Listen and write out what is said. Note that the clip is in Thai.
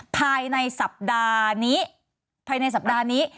ภายในสัปดานี้